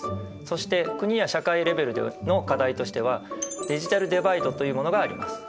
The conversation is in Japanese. そして国や社会レベルでの課題としてはデジタルデバイドというものがあります。